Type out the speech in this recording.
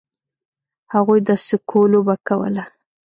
هغوی د سکو لوبه کوله.